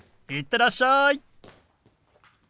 行ってらっしゃい。